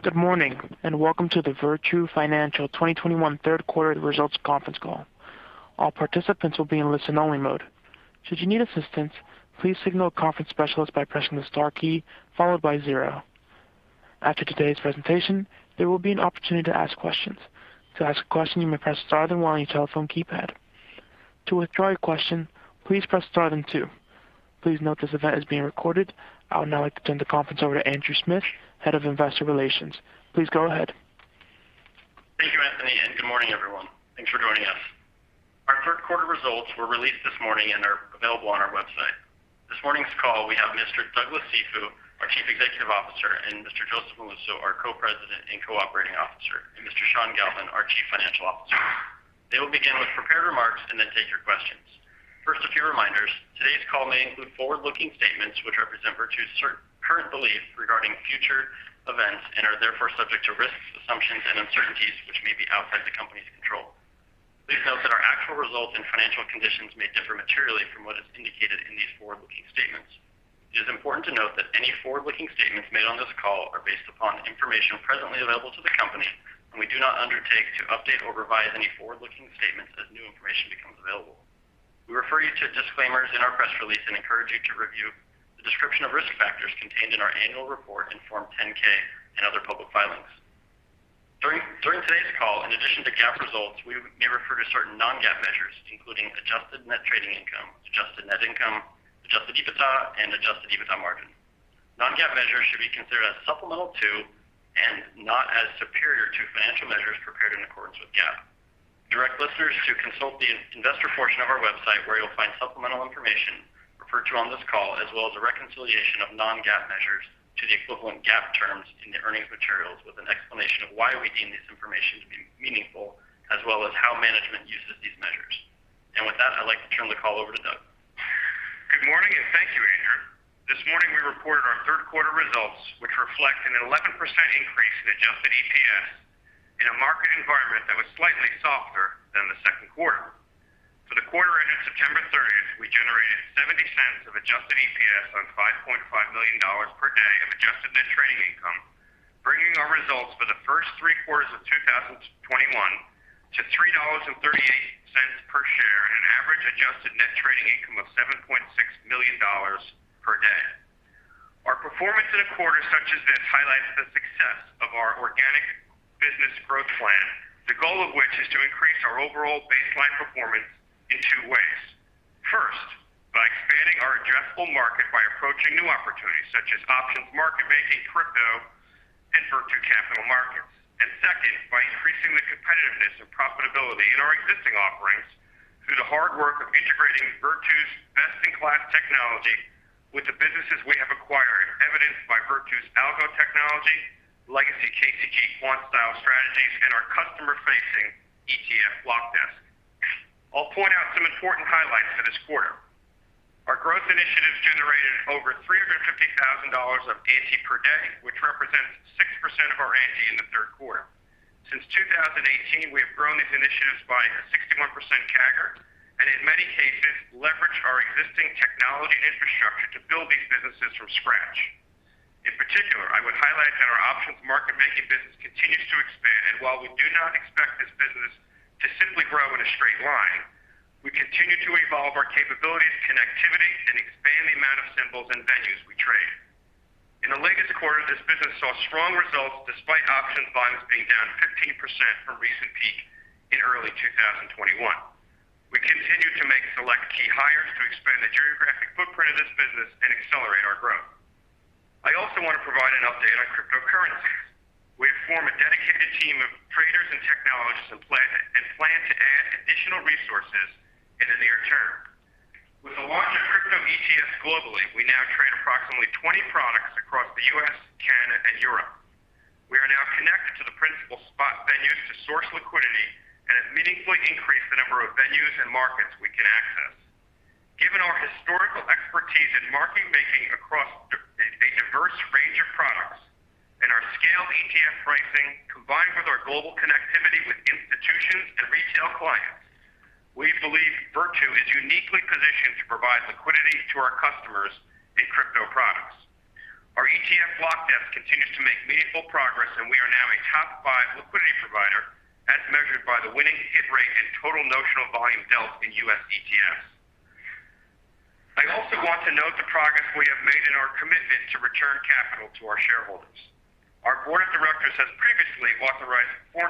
Good morning, and welcome to the Virtu Financial 2021 third quarter results conference call. All participants will be in listen-only mode. Should you need assistance, please signal a conference specialist by pressing the star key followed by zero. After today's presentation, there will be an opportunity to ask questions. To ask a question, you may press star then one on your telephone keypad. To withdraw your question, please press star then two. Please note this event is being recorded. I would now like to turn the conference over to Andrew Smith, Head of Investor Relations. Please go ahead Thank you, Anthony, and good morning, everyone. Thanks for joining us. Our third quarter results were released this morning and are available on our website. This morning's call, we have Mr. Douglas Cifu, our Chief Executive Officer, and Mr. Joseph Molluso, our Co-President and Co-Chief Operating Officer, and Mr. Sean Galvin, our Chief Financial Officer. They will begin with prepared remarks and then take your questions. First, a few reminders. Today's call may include forward-looking statements which represent Virtu's current beliefs regarding future events and are therefore subject to risks, assumptions, and uncertainties which may be outside the company's control. Please note that our actual results and financial conditions may differ materially from what is indicated in these forward-looking statements. It is important to note that any forward-looking statements made on this call are based upon information presently available to the company, and we do not undertake to update or revise any forward-looking statements as new information becomes available. We refer you to disclaimers in our press release and encourage you to review the description of risk factors contained in our annual report in Form 10-K and other public filings. During today's call, in addition to GAAP results, we may refer to certain non-GAAP measures, including Adjusted Net Trading Income, Adjusted Net Income, Adjusted EBITDA and Adjusted EBITDA margin. Non-GAAP measures should be considered as supplemental to and not as superior to financial measures prepared in accordance with GAAP. Direct listeners to consult the investor portion of our website, where you'll find supplemental information referred to on this call, as well as a reconciliation of non-GAAP measures to the equivalent GAAP terms in the earnings materials with an explanation of why we deem this information to be meaningful as well as how management uses these measures. With that, I'd like to turn the call over to Doug. Good morning, and thank you, Andrew. This morning we reported our third quarter results, which reflect an 11% increase in adjusted EPS in a market environment that was slightly softer than the second quarter. For the quarter ended September 30th, we generated $0.70 of adjusted EPS on $5.5 million per day of adjusted net trading income, bringing our results for the first three quarters of 2021 to $3.38 per share and an average adjusted net trading income of $7.6 million per day. Our performance in a quarter such as this highlights the success of our organic business growth plan, the goal of which is to increase our overall baseline performance in two ways. First, by expanding our addressable market by approaching new opportunities such as options, market making, crypto, and Virtu Capital Markets. Second, by increasing the competitiveness and profitability in our existing offerings through the hard work of integrating Virtu's best-in-class technology with the businesses we have acquired, evidenced by Virtu's algo technology, legacy KCG quant style strategies, and our customer-facing ETF block desk. I'll point out some important highlights for this quarter. Our growth initiatives generated over $350,000 of ANTI per day, which represents 6% of our ANTI in the third quarter. Since 2018, we have grown these initiatives by a 61% CAGR, and in many cases leveraged our existing technology infrastructure to build these businesses from scratch. In particular, I would highlight that our options market making business continues to expand. While we do not expect this business to simply grow in a straight line, we continue to evolve our capabilities, connectivity, and expand the amount of symbols and venues we trade. In the latest quarter, this business saw strong results despite options volumes being down 15% from recent peak in early 2021. We continue to make select key hires to expand the geographic footprint of this business and accelerate our growth. I also want to provide an update on cryptocurrencies. We form a dedicated team of traders and technologists and plan to add additional resources in the near term. With the launch of Crypto ETFs globally, we now trade approximately 20 products across the U.S., Canada, and Europe. We are now connected to the principal spot venues to source liquidity and have meaningfully increased the number of venues and markets we can access. Given our historical expertise in market making across a diverse range of products and our scale in ETF pricing, combined with our global connectivity with institutions and retail clients, we believe Virtu is uniquely positioned to provide liquidity to our customers in crypto products. Our ETF block desk continues to make meaningful progress, and we are now a top five liquidity provider as measured by the winning hit rate and total notional volume dealt in U.S. ETFs. I also want to note the progress we have made in our commitment to return capital to our shareholders. Our board of directors has previously authorized $470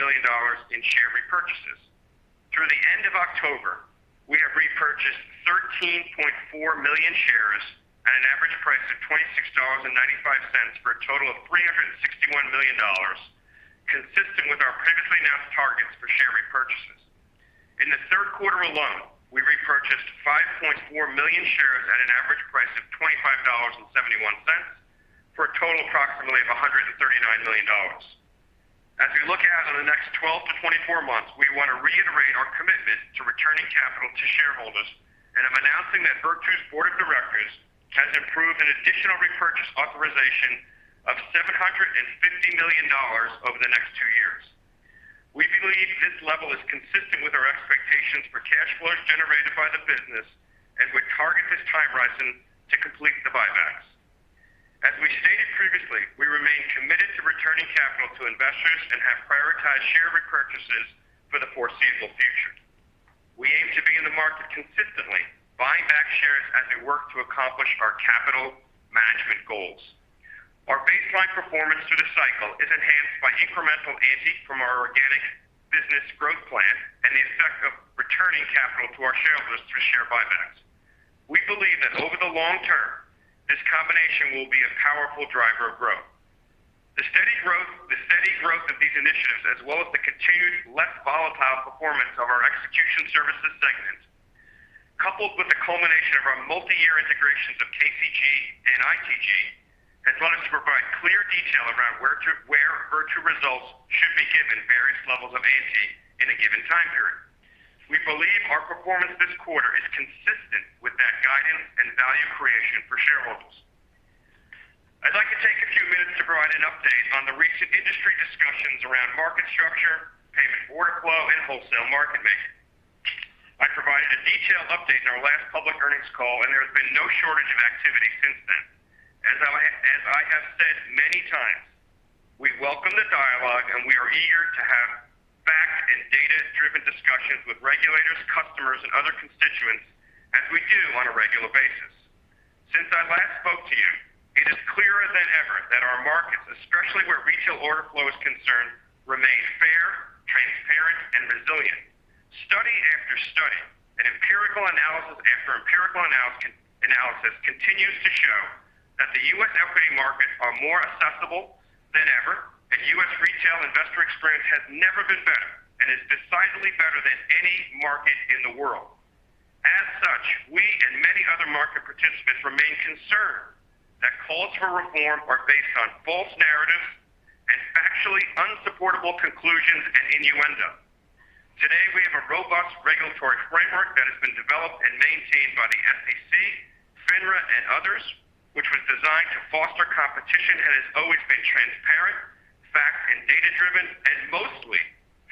million in share repurchases. Through the end of October, we have repurchased 13.4 million shares at an average price of $26.95, for a total of $361 million, consistent with our previously announced targets for share repurchases. In the third quarter alone, we repurchased 5.4 million shares at an average price of $25.71, for a total approximately of $139 million. As we look out on the next 12-24 months, we want to reiterate our commitment to returning capital to shareholders, and I'm announcing that Virtu's board of directors has approved an additional repurchase authorization of $750 million over the next two-year horizon to complete the buybacks. As we stated previously, we remain committed to returning capital to investors and have prioritized share repurchases for the foreseeable future. We aim to be in the market consistently, buying back shares as we work to accomplish our capital management goals. Our baseline performance through the cycle is enhanced by incremental ante from our organic business growth plan and the effect of returning capital to our shareholders through share buybacks. We believe that over the long term, this combination will be a powerful driver of growth. The steady growth of these initiatives, as well as the continued less volatile performance of our execution services segment, coupled with the culmination of our multi-year integrations of KCG and ITG, has led us to provide clear detail around where Virtu results should be given various levels of ante in a given time period. We believe our performance this quarter is consistent with that guidance and value creation for shareholders. I'd like to take a few minutes to provide an update on the recent industry discussions around market structure, payment for order flow, and wholesale market making. I provided a detailed update in our last public earnings call, and there has been no shortage of activity since then. As I have said many times, we welcome the dialogue and we are eager to have fact and data-driven discussions with regulators, customers and other constituents as we do on a regular basis. Since I last spoke to you, it is clearer than ever that our markets, especially where retail order flow is concerned, remain fair, transparent and resilient. Study after study and empirical analysis after empirical analysis continues to show that the U.S. equity markets are more accessible than ever, and U.S. retail investor experience has never been better and is decidedly better than any market in the world. As such, we and many other market participants remain concerned that calls for reform are based on false narratives and factually unsupportable conclusions and innuendo. Today, we have a robust regulatory framework that has been developed and maintained by the SEC, FINRA, and others, which was designed to foster competition and has always been transparent, fact and data-driven, and mostly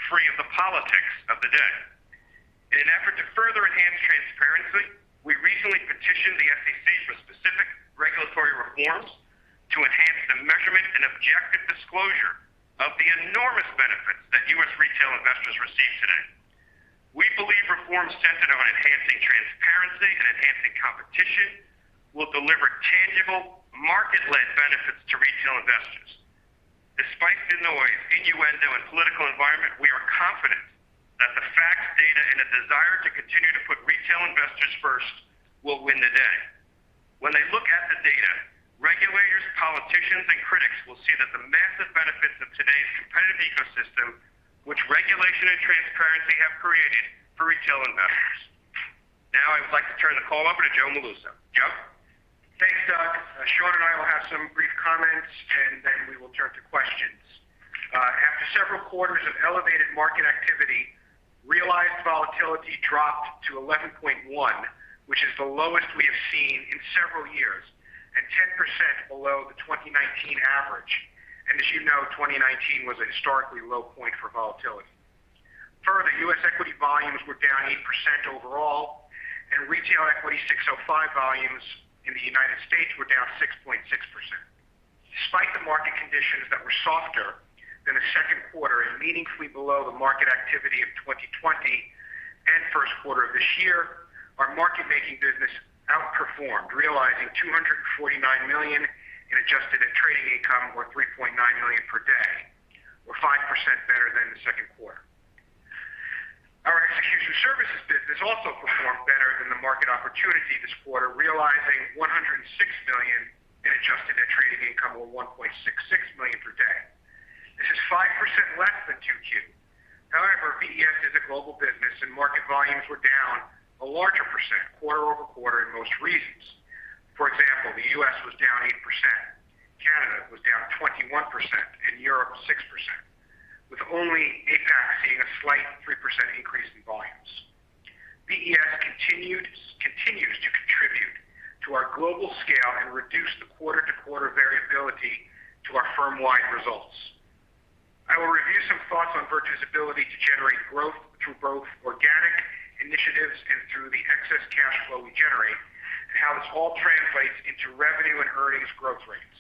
free of the politics of the day. In an effort to further enhance transparency, we recently petitioned the SEC for specific regulatory reforms to enhance the measurement and objective disclosure of the enormous benefits that U.S. retail investors receive today. We believe reforms centered on enhancing transparency and enhancing competition will deliver tangible market-led benefits to retail investors. Despite the noise, innuendo, and political environment, we are confident that the facts, data, and a desire to continue to put retail investors first will win the day. When they look at the data, regulators, politicians, and critics will see that the massive benefits of today's competitive ecosystem, which regulation and transparency have created for retail investors. Now I would like to turn the call over to Joe Molluso. Joe. Thanks, Doug. Sean and I will have some brief comments and then we will turn to questions. After several quarters of elevated market activity, realized volatility dropped to 11.1, which is the lowest we have seen in several years and 10% below the 2019 average. As you know, 2019 was a historically low point for volatility. Further, U.S. equity volumes were down 8% overall, and retail equity 605 volumes in the United States were down 6.6%. Despite the market conditions that were softer than the second quarter and meaningfully below the market activity of 2020 and first quarter of this year, our market-making business outperformed, realizing $249 million in Adjusted Net Trading Income, or $3.9 million per day, or 5% better than the second quarter. Our execution services business also performed better than the market opportunity this quarter, realizing $106 million in adjusted net trading income, or $1.66 million per day. This is 5% less than 2Q. However, VES is a global business and market volumes were down a larger percent quarter-over-quarter in most regions. For example, the U.S. was down 8%, Canada was down 21%, and Europe 6%, with only APAC seeing a slight 3% increase in volumes. VES continues to contribute to our global scale and reduce the quarter-to-quarter variability to our firm-wide results. I will review some thoughts on Virtu's ability to generate growth through both organic initiatives and through the excess cash flow we generate and how this all translates into revenue and earnings growth rates.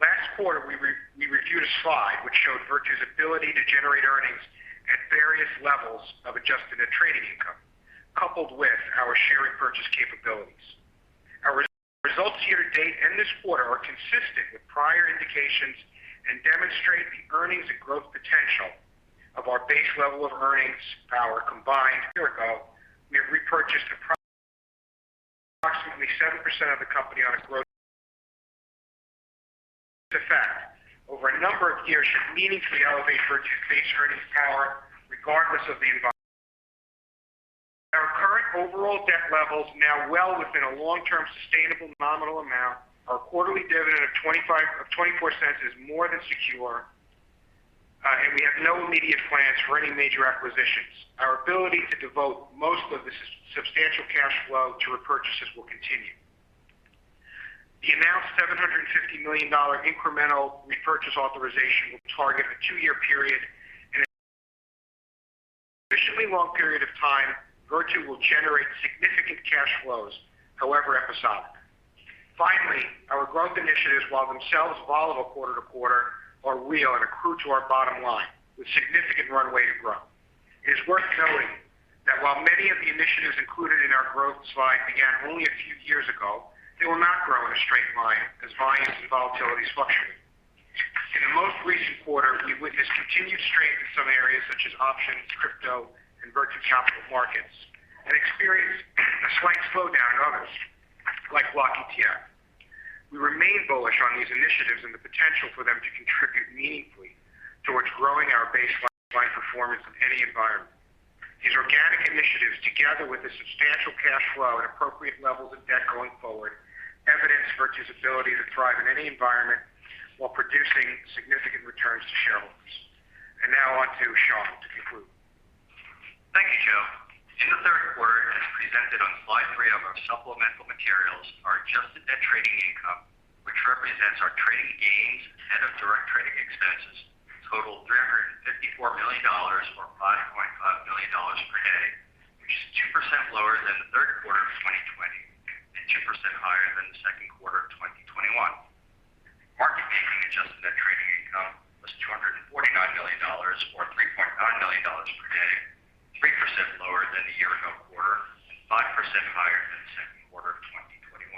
Last quarter, we reviewed a slide which showed Virtu's ability to generate earnings at various levels of Adjusted Net Trading Income, coupled with our share repurchase capabilities. Our results year to date and this quarter are consistent with prior indications and demonstrate the earnings and growth potential of our base level of earnings power combined. A year ago, we repurchased approximately 7% of the company. This effect over a number of years should meaningfully elevate Virtu's base earnings power regardless of the environment. Our current overall debt levels are now well within a long-term sustainable nominal amount. Our quarterly dividend of $0.24 is more than secure, and we have no immediate plans for any major acquisitions. Our ability to devote most of this substantial cash flow to repurchases will continue. The announced $750 million incremental repurchase authorization will target a two-year period. Over a really long period of time, Virtu will generate significant cash flows, however episodic. Finally, our growth initiatives, while themselves volatile quarter to quarter, are real and accrue to our bottom line with significant runway to grow. It is worth noting that while many of the initiatives included in our growth slide began only a few years ago, they will not grow in a straight line as volumes and volatility fluctuate. In the most recent quarter, we witnessed continued strength in some areas such as options, crypto, and Virtu Capital Markets, and experienced a slight slowdown in others like block ETF. We remain bullish on these initiatives and the potential for them to contribute meaningfully towards growing our baseline performance in any environment. These organic initiatives, together with the substantial cash flow and appropriate levels of debt going forward, evidence Virtu's ability to thrive in any environment while producing significant returns to shareholders. Now on to Sean to conclude. Thank you, Joe. In the third quarter, as presented on slide three of our supplemental materials, our adjusted net trading income, which represents our trading gains ahead of direct trading expenses, totaled $354 million or $5.5 million per day, which is 2% lower than the third quarter of 2020 and 2% higher than the second quarter of 2021. Market making adjusted net trading income was $249 million or $3.9 million per day, 3% lower than the year-ago quarter and 5% higher than the second quarter of 2021.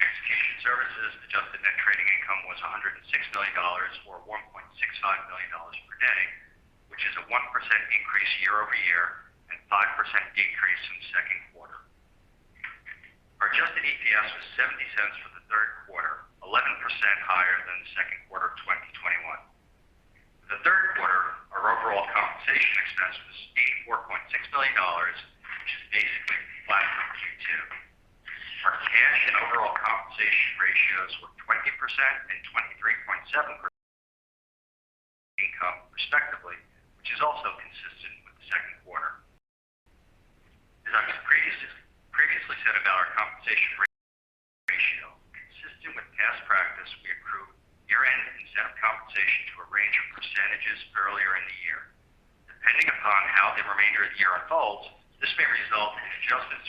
Execution services adjusted net trading income was $106 million or $1.65 million per day, which is a 1% increase year-over-year and 5% decrease from second quarter. Our Adjusted EPS was $0.70 for the third quarter, 11% higher than the second quarter of 2021. For the third quarter, our overall compensation expense was $84.6 million, which is basically flat from Q2. Our cash and overall compensation ratios were 20% and 23.7% of income respectively, which is also consistent with the second quarter. As I've previously said about our compensation ratio, consistent with past practice, we accrue year-end incentive compensation to a range of percentages earlier in the year. Depending upon how the remainder of the year unfolds, this may result in adjustments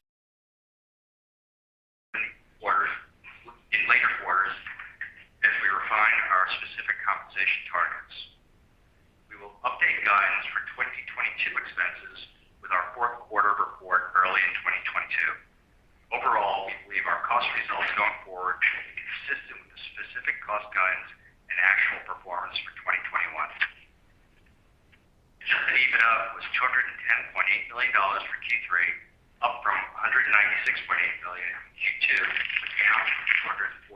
in later quarters as we refine our specific compensation targets. We will update guidance for 2022 expenses with our fourth quarter report early in 2022. Overall, we believe our cost results going forward should be consistent with the specific cost guidance and actual performance for 2021. Adjusted EBITDA was $210.8 million for Q3, up from $196.8 million in Q2, down from $248.7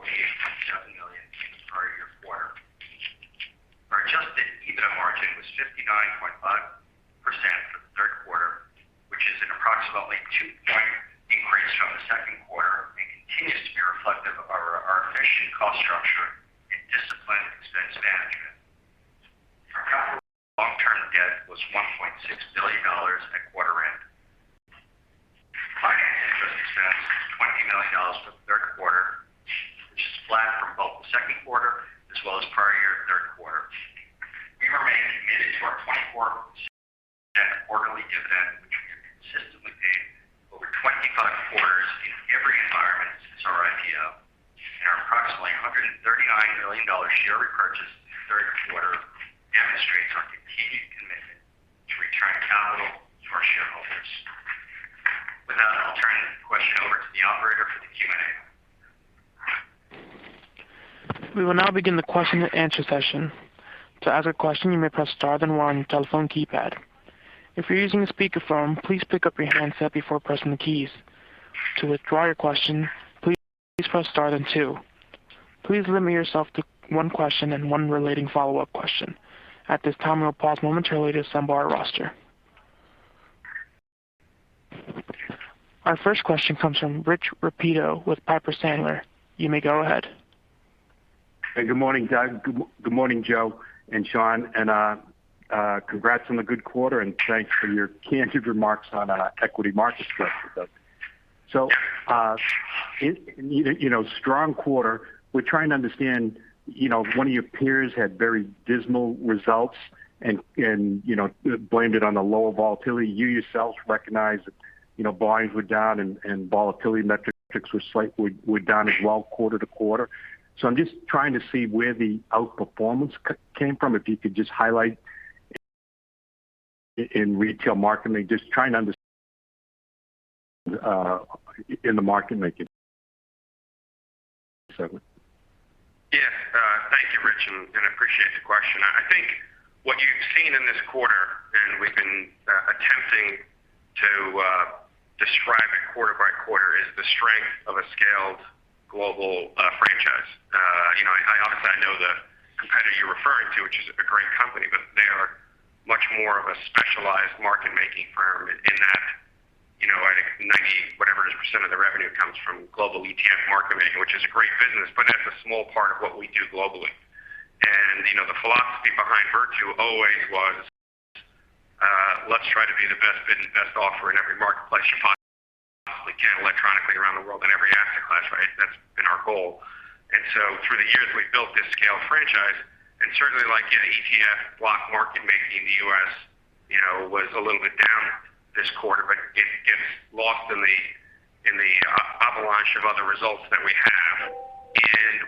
million in the prior year quarter. Our adjusted EBITDA margin was 59.5% for the third quarter, which is an approximately two point increase from the second quarter and continues to be reflective of our efficient cost structure and disciplined expense management. Our capital long-term debt was $1.6 billion at quarter end. Financing interest expense was $20 million for the third quarter, which is flat from both the second quarter as well as prior year third quarter. We remain committed to our 24% quarterly dividend, which we have consistently paid over 25 quarters in every environment since our IPO. Our approximately $139 million share repurchase in the third quarter demonstrates our continued commitment to returning capital to our shareholders. With that, I'll turn the question over to the operator for the Q&A. We will now begin the question and answer session. To ask a question, you may press star then one on your telephone keypad. If you're using a speakerphone, please pick up your handset before pressing the keys. To withdraw your question, please press star then two. Please limit yourself to one question and one relating follow-up question. At this time, we'll pause momentarily to assemble our roster. Our first question comes from Rich Repetto with Piper Sandler. You may go ahead. Hey, good morning, Doug. Good morning, Joe and Sean, and congrats on the good quarter, and thanks for your candid remarks on equity market structure, Doug. You know, strong quarter, we're trying to understand, you know, one of your peers had very dismal results and you know, blamed it on the lower volatility. You yourselves recognize that, you know, volumes were down and volatility metrics were slightly down as well quarter-over-quarter. I'm just trying to see where the outperformance came from, if you could just highlight in retail market making, just trying to understand in the market making segment. Yes. Thank you, Rich, and I appreciate the question. I think what you've seen in this quarter, and we've been attempting to describe it quarter by quarter, is the strength of a scaled global franchise. You know, I obviously know the competitor you're referring to, which is a great company, but they are much more of a specialized market making firm in that, you know, 90 whatever it is percentage of their revenue comes from global ETF market making, which is a great business, but that's a small part of what we do globally. You know, the philosophy behind Virtu always was, let's try to be the best bid and best offer in every marketplace you find. Well. Through the years, we've built this scale franchise. Certainly, like ETF block market making in the U.S., you know, was a little bit down this quarter, but it gets lost in the avalanche of other results that we have.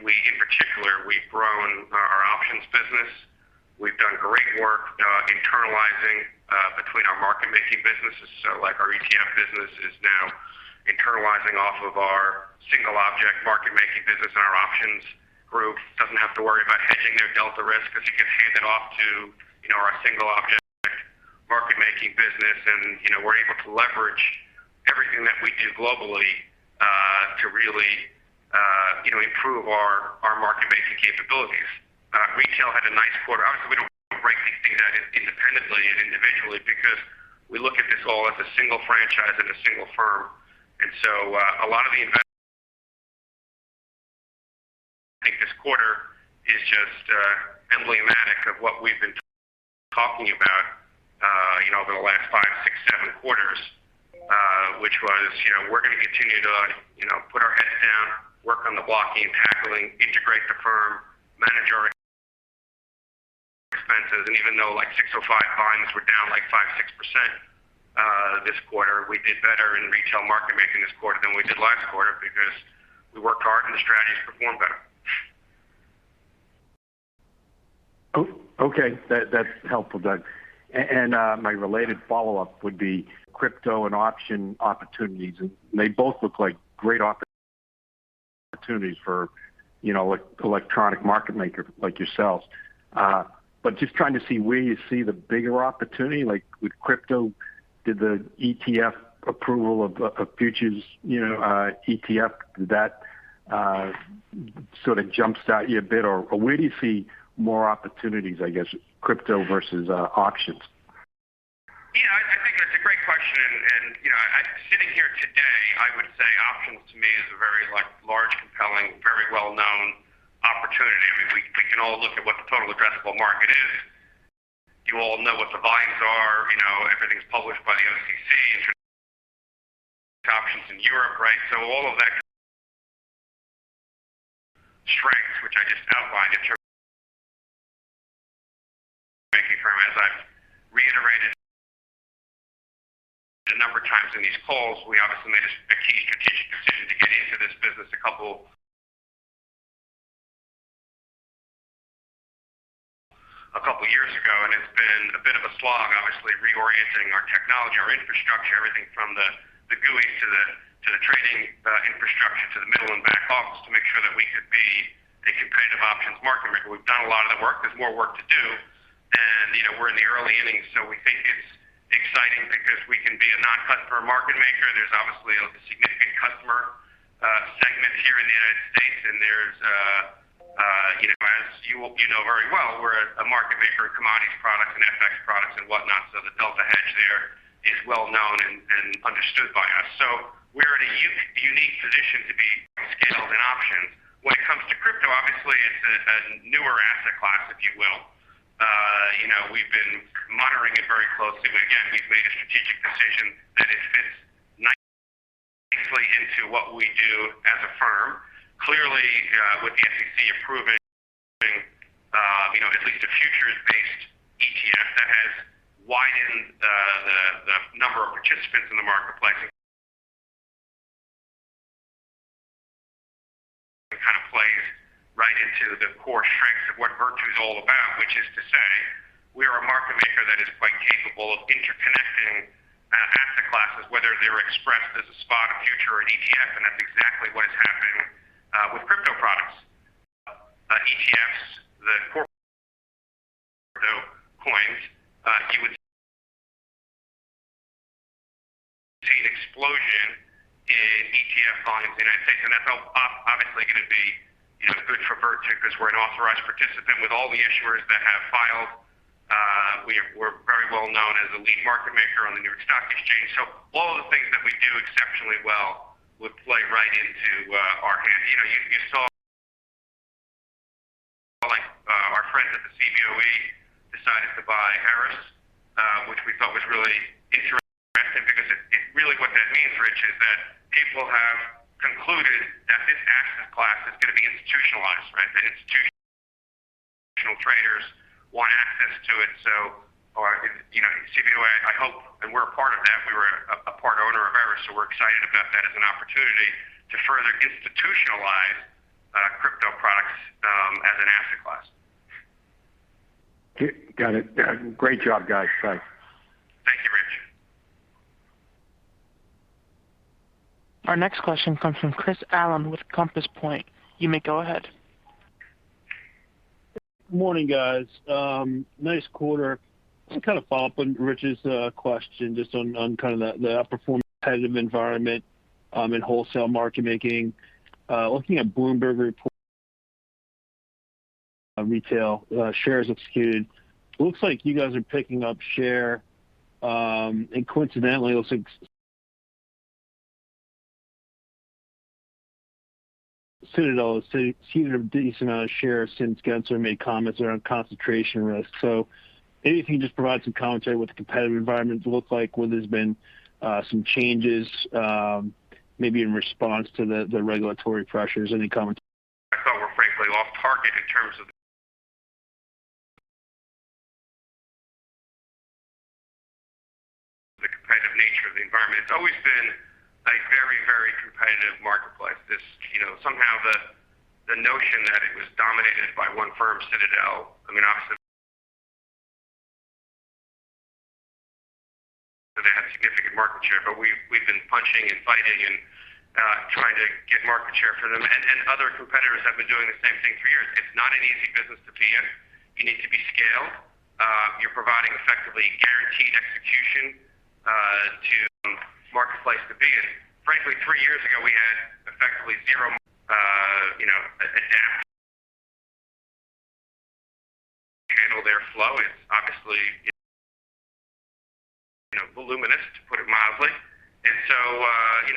We in particular, we've grown our options business. We've done great work internalizing between our market-making businesses. Like our ETF business is now internalizing off of our single stock market-making business. Our options group doesn't have to worry about hedging their delta risk because you can hand it off to, you know, our single stock market-making business. You know, we're able to leverage everything that we do globally to really, you know, improve our market-making capabilities. Retail had a nice quarter. Obviously, we don't break these things out independently and individually because we look at this all as a single franchise and a single firm. I think this quarter is just emblematic of what we've been talking about, you know, over the last five, six, seven quarters, which was, you know, we're gonna continue to, you know, put our heads down, work on the blocking and tackling, integrate the firm, manage our expenses. Even though, like, 605 volumes were down, like 5%-6%, this quarter, we did better in retail market making this quarter than we did last quarter because we worked hard and the strategies performed better. Okay, that's helpful, Doug. My related follow-up would be crypto and options opportunities. They both look like great opportunities for, you know, electronic market maker like yourselves. Just trying to see where you see the bigger opportunity. Like with crypto, did the ETF approval of futures, you know, ETF, that sort of jumps out to you a bit? Where do you see more opportunities, I guess, crypto versus options? Yeah, I think that's a great question. You know, sitting here today, I would say options to me is a very, like, large, compelling, very well-known opportunity. I mean, we can all look at what the total addressable market is. You all know what the volumes are. You know, everything's published by the OCC in terms of market making firm. As I've reiterated a number of times in these calls, we obviously made a key strategic decision to get into this business a couple years ago, and it's been a bit of a slog, obviously reorienting our technology, our infrastructure, everything from the GUIs to the trading infrastructure to the middle and back office to make sure that we could be a competitive options market maker. We've done a lot of the work. There's more work to do. You know, we're in the early innings, so we think it's exciting because we can be a low-cost market maker. There's obviously a significant customer segment here in the United States. You know, as you know very well, we're a market maker of commodities products and FX products and whatnot. The delta hedge there is well known and understood by us. We're in a unique position to be scaled in options. When it comes to crypto, obviously it's a newer asset class, if you will. You know, we've been monitoring it very closely. But again, we've made a strategic decision that it fits nicely into what we do as a firm. Clearly, with the SEC approving, you know, at least a futures-based ETF, that has widened the number of participants in the marketplace. It kind of plays right into the core strengths of what Virtu is all about, which is to say we are a market maker that is quite capable of interconnecting asset classes, whether they're expressed as a spot, a future or an ETF. That's exactly what is happening with crypto products. ETFs, the core coins, explosion in ETF volumes in United States. That's obviously gonna be, you know, good for Virtu because we're an authorized participant with all the issuers that have filed. We're very well known as a lead market maker on the New York Stock Exchange. All of the things that we do exceptionally well would play right into our hand. You know, you saw, like, our friends at the Cboe decided to buy ErisX, which we thought was really interesting because really what that means, Rich, is that people have concluded that this asset class is gonna be institutionalized, right? That institutional traders want access to it. You know, Cboe, I hope we're a part of that. We were a part owner of ErisX, so we're excited about that as an opportunity to further institutionalize crypto products as an asset class. Got it. Great job, guys. Thanks. Thank you, Rich. Our next question comes from Chris Allen with Compass Point. You may go ahead. Morning, guys. Nice quarter. Just to kind of follow up on Rich's question, just on kind of the outperformance competitive environment in wholesale market making. Looking at Bloomberg report, retail shares executed, looks like you guys are picking up share. Coincidentally, it looks like Citadel has seen a decent amount of shares since Gensler made comments around concentration risk. If you could just provide some commentary what the competitive environment looks like, whether there's been some changes, maybe in response to the regulatory pressures. Any comments? I thought were frankly off target in terms of the competitive nature of the environment. It's always been a very, very competitive marketplace. This, you know, somehow the notion that it was dominated by one firm, Citadel. I mean, obviously. They have significant market share, but we've been punching and fighting and trying to get market share from them. Other competitors have been doing the same thing for years. It's not an easy business to be in. You need to be scaled. You're providing effectively guaranteed execution to the marketplace to be in. Frankly, three years ago, we had effectively zero. You know, we had to adapt to handle their flow. It's obviously, you know, voluminous, to put it mildly.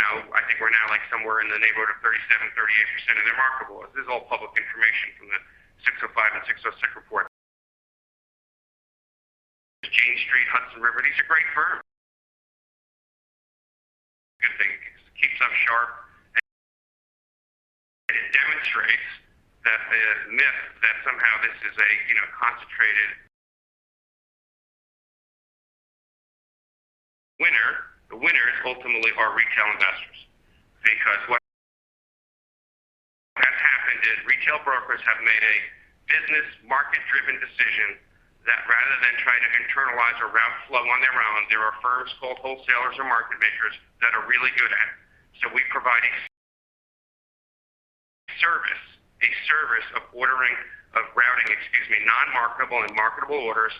I think we're now like somewhere in the neighborhood of 37%-38% of their marketable. This is all public information from the 605 and 606 SEC reports. Jane Street, Hudson River, these are great firms. Good thing. Keeps us sharp. It demonstrates that the myth that somehow this is a, you know, concentrated winner. The winners ultimately are retail investors because what happened is retail brokers have made a business, market-driven decision that rather than trying to internalize or route flow on their own, there are firms called wholesalers or market makers that are really good at. We provide a service of routing, excuse me, non-marketable and marketable orders.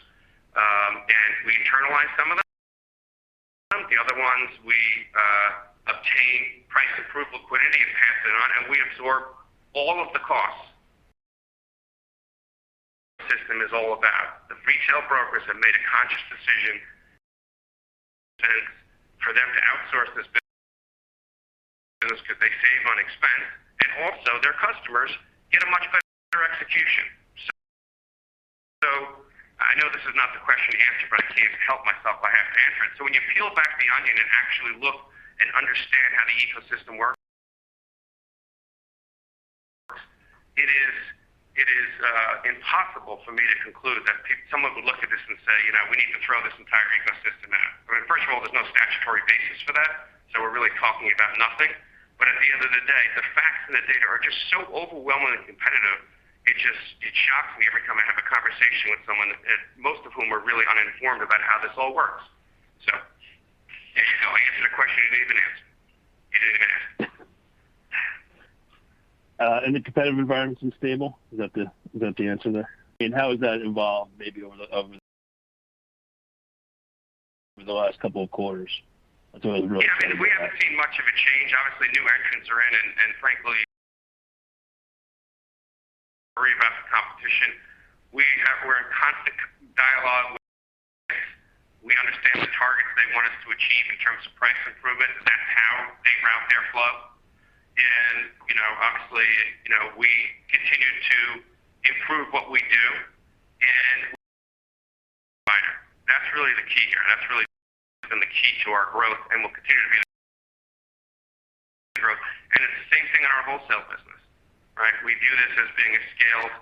We internalize some of them. The other ones we obtain price-improved liquidity and pass it on, and we absorb all of the costs. The system is all about. The retail brokers have made a conscious decision. For them to outsource this business because they save on expense and also their customers get a much better execution. I know this is not the question you answered, but I can't help myself. I have to answer it. When you peel back the onion and actually look and understand how the ecosystem works, it is impossible for me to conclude that someone would look at this and say, "You know, we need to throw this entire ecosystem out." I mean, first of all, there's no statutory basis for that. We're really talking about nothing. But at the end of the day, the facts and the data are just so overwhelmingly competitive. It just shocks me every time I have a conversation with someone, most of whom are really uninformed about how this all works. There you go. I answered a question you didn't even ask. You didn't even ask. The competitive environment's been stable? Is that the answer there? I mean, how has that evolved maybe over the last couple of quarters? That's what I was really getting at. Yeah, I mean, we haven't seen much of a change. Obviously, new entrants are in, and frankly, we worry about the competition. We're in constant dialogue with them. We understand the targets they want us to achieve in terms of price improvement, and that's how they route their flow. You know, obviously, you know, we continue to improve what we do as a low-cost provider. That's really the key here. That's really been the key to our growth and will continue to be the key to our growth. It's the same thing in our wholesale business, right? We view this as being scaled.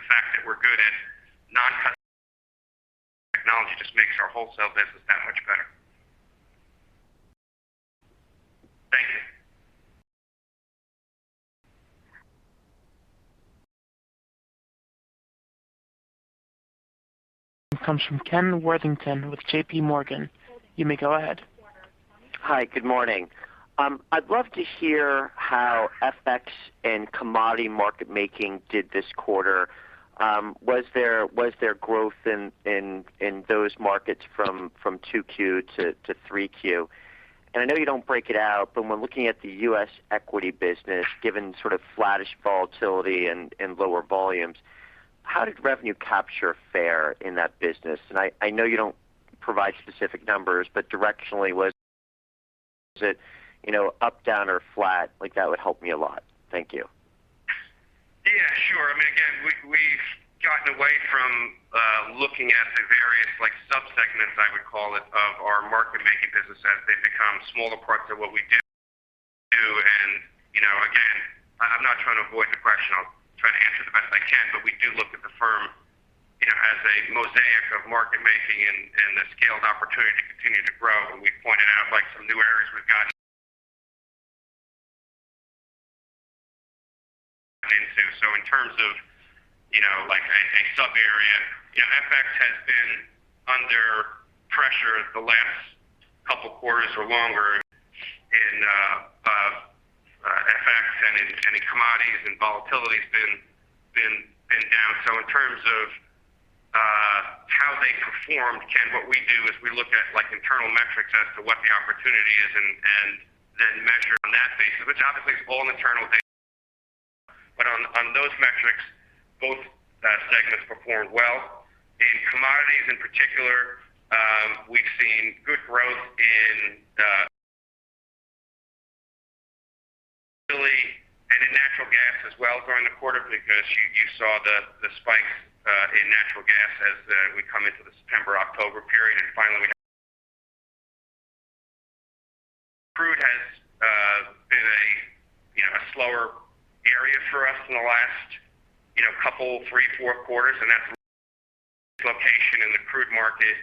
The fact that we're good at non-custody technology just makes our wholesale business that much better. Thank you. Comes from Ken Worthington with JPMorgan. You may go ahead. Hi. Good morning. I'd love to hear how FX and commodity market making did this quarter. Was there growth in those markets from 2Q to 3Q? I know you don't break it out, but when looking at the U.S. equity business, given sort of flattish volatility and lower volumes, how did revenue capture fare in that business? I know you don't provide specific numbers, but directionally, was it, you know, up, down or flat? Like that would help me a lot. Thank you. Yeah, sure. I mean, again, we've gotten away from looking at the various like sub-segments, I would call it, of our market making business as they become smaller parts of what we do. You know, again, I'm not trying to avoid the question. I'll try to answer the best I can, but we do look at the firm, you know, as a mosaic of market making and the scaled opportunity to continue to grow. We've pointed out like some new areas we've gotten into. In terms of, you know, like a subarea, you know, FX has been under pressure the last couple quarters or longer in FX and in commodities and volatility's been down. In terms of how they performed, Ken, what we do is we look at like internal metrics as to what the opportunity is and then measure on that basis. It's obviously all internal data. On those metrics, both segments performed well. In commodities in particular, we've seen good growth. Really, in natural gas as well during the quarter because you saw the spikes in natural gas as we come into the September-October period. It's been a, you know, a slower area for us in the last couple, three, four quarters, and that's the low in the crude market.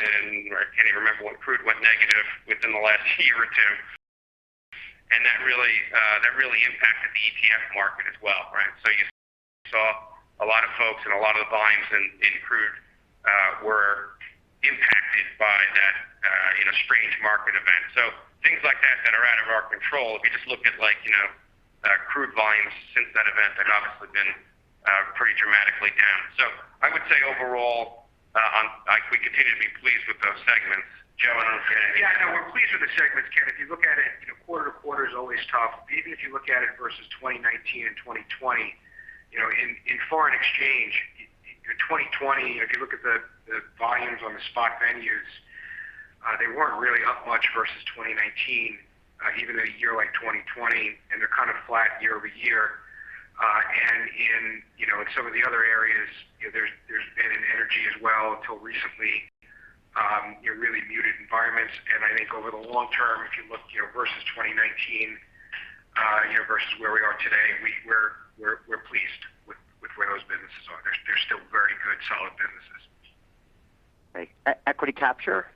I can't even remember when crude went negative within the last year or two. That really impacted the ETF market as well, right? You saw a lot of folks and a lot of the volumes in crude were impacted by that, you know, strange market event. Things like that that are out of our control. If you just look at like, you know, crude volumes since that event have obviously been pretty dramatically down. I would say overall we continue to be pleased with those segments. Joe, I don't know if you had anything to add. Yeah, no, we're pleased with the segments, Ken. If you look at it, you know, quarter-over-quarter is always tough. Even if you look at it versus 2019 and 2020, you know, in foreign exchange, in 2020, if you look at the volumes on the spot venues, they weren't really up much versus 2019, even in a year like 2020, and they're kind of flat year-over-year. In some of the other areas, you know, there's been an energy as well until recently, you know, really muted environments. I think over the long term, if you look, you know, versus 2019, you know, versus where we are today, we're pleased with where those businesses are. They're still very good, solid businesses. Right. Equity capture?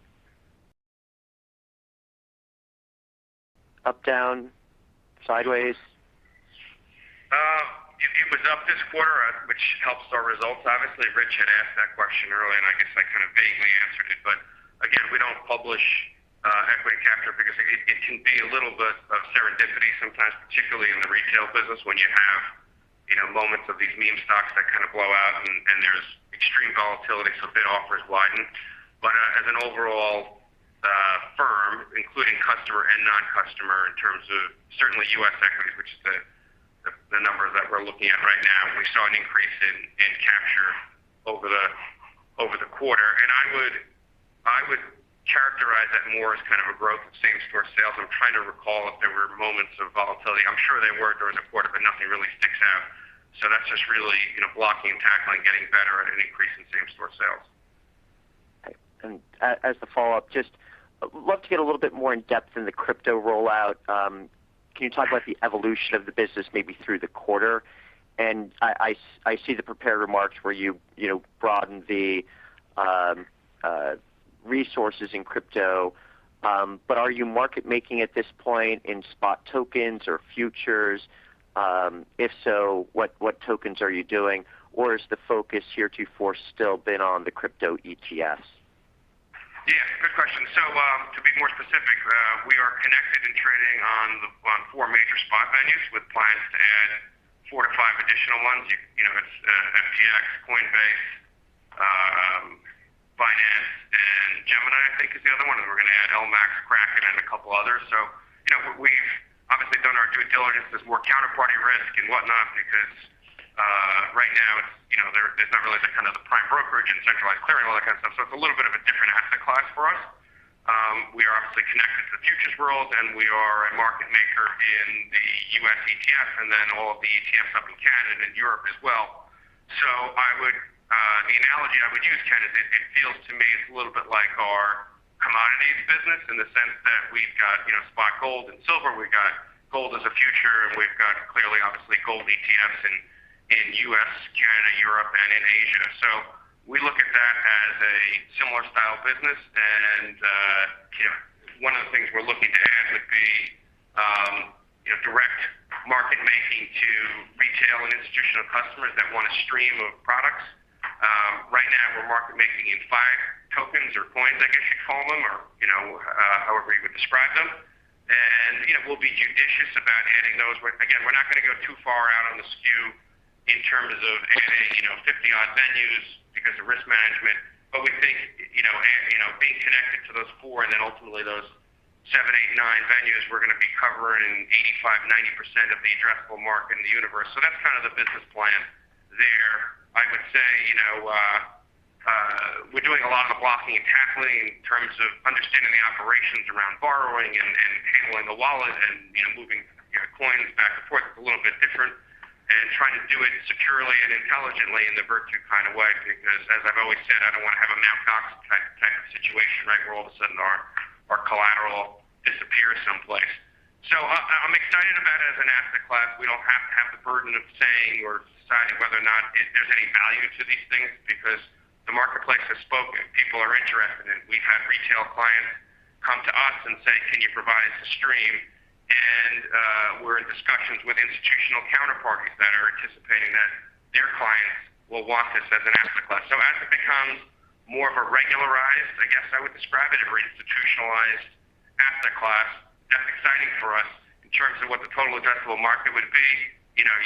Up, down, sideways. It was up this quarter, which helps our results. Obviously, Rich had asked that question earlier, and I guess I kind of vaguely answered it. Again, we don't publish equity capture because it can be a little bit of serendipity sometimes, particularly in the retail business, when you have, you know, moments of these meme stocks that kind of blow out and there's extreme volatility, so bid offers widen. As an overall firm, including customer and non-customer in terms of certainly U.S. equities, which is the numbers that we're looking at right now, we saw an increase in capture over the quarter. I would characterize that more as kind of a growth of same-store sales. I'm trying to recall if there were moments of volatility. I'm sure there were during the quarter, but nothing really sticks out. That's just really, you know, blocking and tackling, getting better at an increase in same-store sales. Okay. As the follow-up, just love to get a little bit more in depth in the crypto rollout. Can you talk about the evolution of the business maybe through the quarter? I see the prepared remarks where you know, broaden the resources in crypto, but are you market-making at this point in spot tokens or futures? If so, what tokens are you doing? Or is the focus heretofore still been on the crypto ETFs? Yeah, good question. To be more specific, we are connected and trading on four major spot venues with plans to add four to five additional ones. You know, it's FTX, Coinbase, Binance, and Gemini, I think is the other one, and we're gonna add LMAX, Kraken, and a couple others. You know, we've obviously done our due diligence. There's more counterparty risk and whatnot because right now it's, you know, there's not really the kind of prime brokerage and centralized clearing, all that kind of stuff. It's a little bit of a different asset class for us. We are obviously connected to the futures world, and we are a market maker in the U.S. ETF and then all of the ETFs up in Canada and Europe as well. I would, the analogy I would use, Ken, is it feels to me it's a little bit like our commodities business in the sense that we've got, you know, spot gold and silver, we've got gold futures, and we've got clearly, obviously gold ETFs in U.S., Canada, Europe, and in Asia. We look at that as a similar style business. You know, one of the things we're looking to add would be, you know, direct market making to retail and institutional customers that want a stream of products. Right now we're market making in five tokens or coins, I guess you'd call them, or, you know, however you would describe them. You know, we'll be judicious about adding those. We're not gonna go too far out on the skew in terms of adding, you know, 50-odd venues because of risk management. We think, you know, being connected to those four and then ultimately those seven, eight, nine venues, we're gonna be covering 85%-90% of the addressable market in the universe. So that's kind of the business plan there. I would say, you know, we're doing a lot of blocking and tackling in terms of understanding the operations around borrowing and handling the wallet and, you know, moving, you know, coins back and forth. It's a little bit different. Trying to do it securely and intelligently in the Virtu kind of way because as I've always said, I don't want to have a Mt. Gox. Gox type of situation, right, where all of a sudden our collateral disappears someplace. I'm excited about it as an asset class. We don't have to have the burden of saying or deciding whether or not it, there's any value to these things because the marketplace has spoken. People are interested in it. We've had retail clients come to us and say, "Can you provide us a stream?" We're in discussions with institutional counterparties that are anticipating that their clients will want this as an asset class. As it becomes more of a regularized, I guess I would describe it, or institutionalized asset class, that's exciting for us in terms of what the total addressable market would be. You know,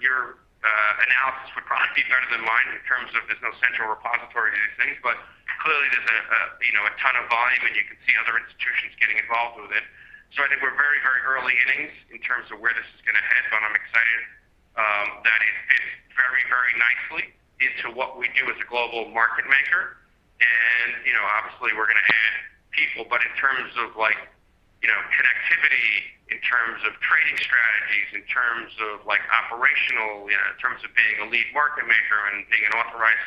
your analysis would probably be better than mine in terms of there's no central repository to these things. Clearly, there's, you know, a ton of volume, and you can see other institutions getting involved with it. I think we're very, very early innings in terms of where this is gonna head, but I'm excited that it fits very, very nicely into what we do as a global market maker. You know, obviously, we're gonna add people, but in terms of like, you know, connectivity. In terms of trading strategies, in terms of like operational, in terms of being a lead market maker and being an authorized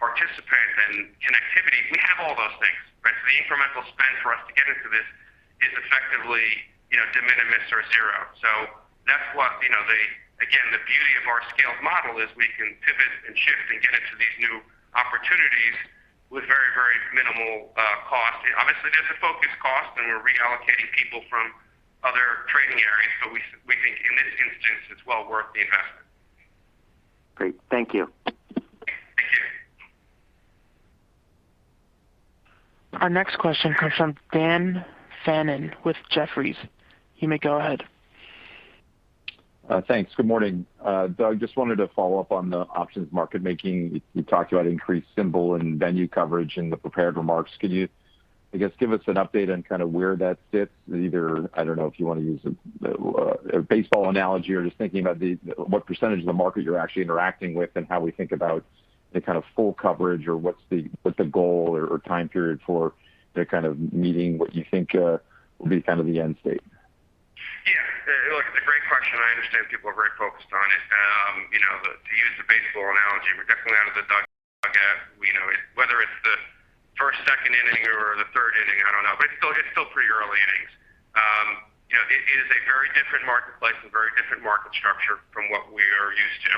participant and connectivity, we have all those things, right? The incremental spend for us to get into this is effectively, you know, de minimis or zero. That's what, you know, again, the beauty of our scaled model is we can pivot and shift and get into these new opportunities with very, very minimal cost. Obviously, there's a focus cost, and we're reallocating people from other trading areas. But we think in this instance, it's well worth the investment. Great. Thank you. Thank you. Our next question comes from Dan Fannon with Jefferies. You may go ahead. Thanks. Good morning. Doug, just wanted to follow up on the options market making. You talked about increased symbol and venue coverage in the prepared remarks. Could you, I guess, give us an update on kind of where that sits? Either, I don't know if you want to use a baseball analogy or just thinking about what percentage of the market you're actually interacting with and how we think about the kind of full coverage or what's the goal or time period for the kind of meeting what you think will be kind of the end state? Yeah. Look, it's a great question. I understand people are very focused on it. You know, to use the baseball analogy, we're definitely out of the dugout. You know, whether it's the first, second inning or the third inning, I don't know. But it's still pretty early innings. You know, it is a very different marketplace and very different market structure from what we are used to.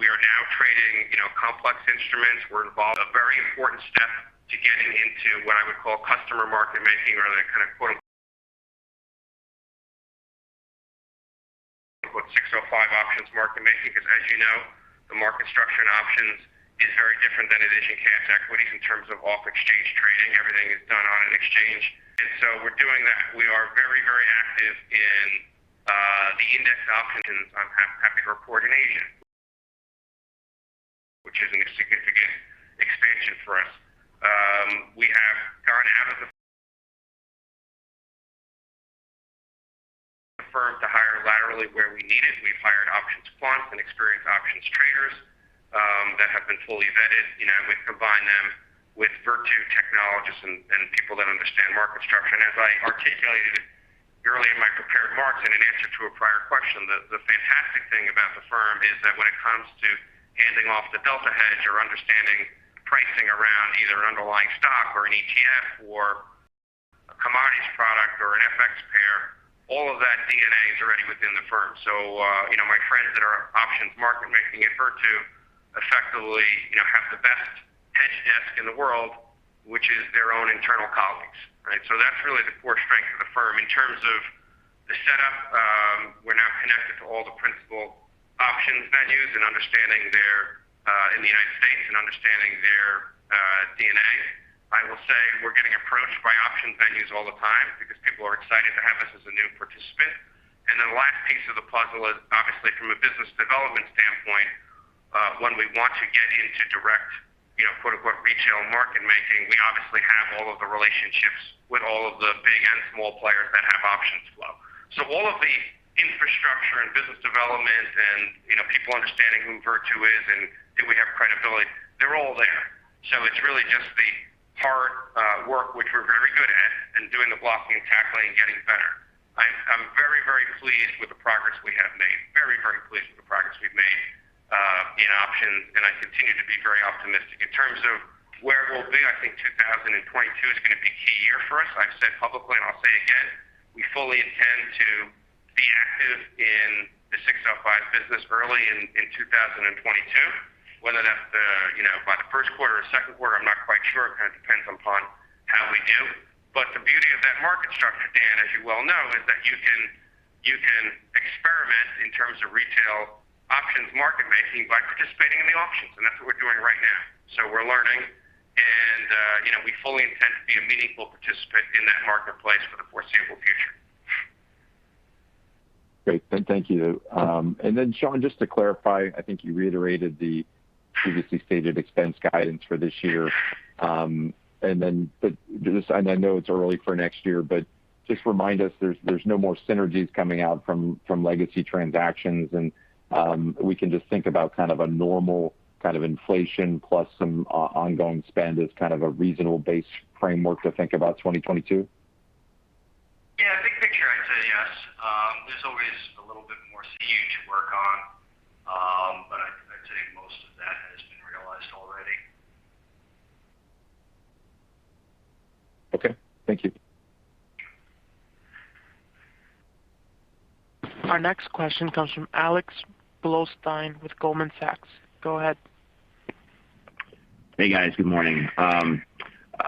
We are now trading, you know, complex instruments. We're involved in a very important step to getting into what I would call customer market making or the kind of quote-unquote 605 options market making, because as you know, the market structure in options is very different than it is in cash equities in terms of off-exchange trading. Everything is done on an exchange. We're doing that. We are very, very active in the index options, and I'm happy to report in Asia, which is a significant expansion for us. We have gone out of the firm to hire laterally where we need it. We've hired options quants and experienced options traders that have been fully vetted. You know, we combine them with Virtu technologists and people that understand market structure. As I articulated early in my prepared remarks and in answer to a prior question, the fantastic thing about the firm is that when it comes to handing off the delta hedge or understanding pricing around either an underlying stock or an ETF or a commodities product or an FX pair, all of that DNA is already within the firm. You know, my friends that are options market making at Virtu effectively, you know, have the best hedge desk in the world, which is their own internal colleagues, right? That's really the core strength of the firm. In terms of the setup, we're now connected to all the principal options venues in the United States and understanding their DNA. I will say we're getting approached by option venues all the time because people are excited to have us as a new participant. The last piece of the puzzle is obviously from a business development standpoint, when we want to get into direct, you know, quote-unquote, retail market making, we obviously have all of the relationships with all of the big and small players that have options flow. All of the infrastructure and business development and, you know, people understanding who Virtu is and do we have credibility, they're all there. It's really just the hard work which we're very good at, and doing the blocking and tackling and getting better. I'm very, very pleased with the progress we have made. Very, very pleased with the progress we've made in options, and I continue to be very optimistic. In terms of where we'll be, I think 2022 is going to be a key year for us. I've said publicly, and I'll say again, we fully intend to be active in the 605 business early in 2022, whether that's by the first quarter or second quarter, I'm not quite sure. It kind of depends upon how we do. The beauty of that market structure, Dan, as you well know, is that you can experiment in terms of retail options market making by participating in the options, and that's what we're doing right now. We're learning and, you know, we fully intend to be a meaningful participant in that marketplace for the foreseeable future. Great. Thank you. Sean, just to clarify, I think you reiterated the previously stated expense guidance for this year. I know it's early for next year, but just remind us there's no more synergies coming out from legacy transactions. We can just think about kind of a normal kind of inflation plus some ongoing spend as kind of a reasonable base framework to think about 2022. Yeah. Big picture, I'd say yes. There's always a little bit more synergy to work on, but I'd say most of that has been realized already. Okay. Thank you. Our next question comes from Alex Blostein with Goldman Sachs. Go ahead. Hey, guys. Good morning.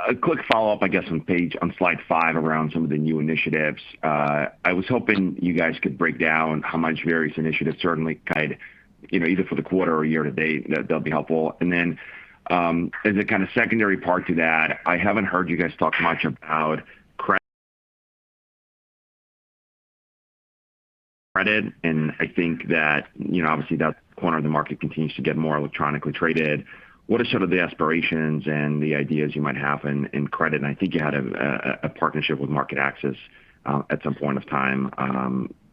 A quick follow-up, I guess, on slide five around some of the new initiatives. I was hoping you guys could break down how much various initiatives certainly guide, you know, either for the quarter or year to date. That'd be helpful. As a kind of secondary part to that, I haven't heard you guys talk much about credit, and I think that, you know, obviously that corner of the market continues to get more electronically traded. What are some of the aspirations and the ideas you might have in credit? I think you had a partnership with MarketAxess at some point of time